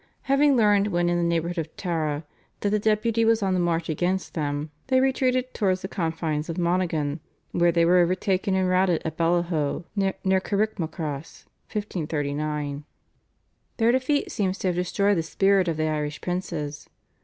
Having learned when in the neighbourhood of Tara that the Deputy was on the march against them, they retreated towards the confines of Monaghan, where they were overtaken and routed at Bellahoe near Carrickmacross (1539). Their defeat seems to have destroyed the spirit of the Irish princes.